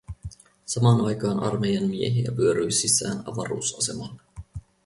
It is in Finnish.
Samaan aikaan armeijan miehiä vyöryi sisään avaruusasemalle.